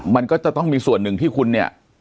แล้วเป็นต้นที่คุณเนี่ย